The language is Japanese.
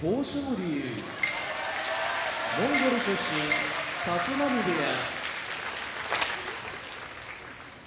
龍モンゴル出身立浪部屋